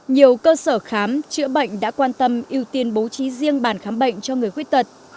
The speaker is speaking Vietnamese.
nhiều cơ sở khám chữa bệnh đã quan tâm ưu tiên bố trí riêng bản khám bệnh cho người khuyết tật